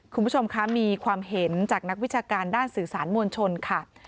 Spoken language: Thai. คุณผู้ชมคะมีความเห็นจากนักวิชาการด้านสื่อสารมวลชนค่ะ